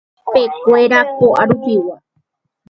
Tapekuéra ko'arupigua.